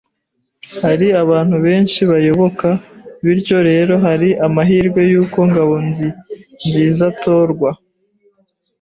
Hariho abantu benshi bayoboka, bityo rero hari amahirwe yuko Ngabonzizaazatorwa.